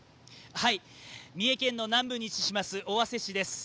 三重県の南部に位置します尾鷲市です。